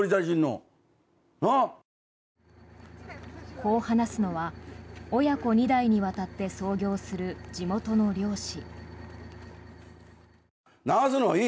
こう話すのは親子２代にわたって操業する地元の漁師。